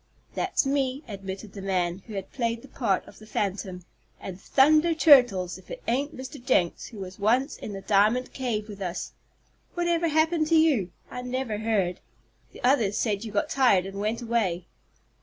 "That's me," admitted the man who had played the part of the phantom, "and thunder turtles! if it ain't Mr. Jenks who was once in the diamond cave with us. Whatever happened to you? I never heard. The others said you got tired and went away."